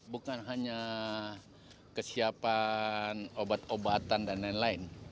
bukan hanya kesiapan obat obatan dan lain lain